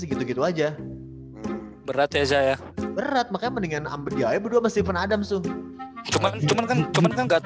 segitu gitu aja berat ya saya berat makanya mendingan ambe di ayo berdua masih penadam suhu